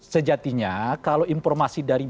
sejatinya kalau informasi dari